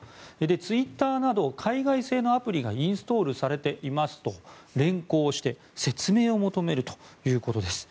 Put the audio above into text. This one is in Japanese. ツイッターなど海外製のアプリがインストールされていますと連行して説明を求めるということです。